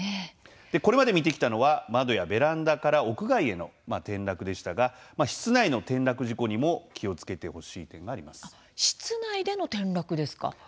これまで見てきたのは窓やベランダから屋外への転落でしたが室内の転落事故にも室内での転落ですか？